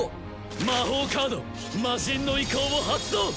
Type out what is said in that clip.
魔法カード魔神の威光を発動！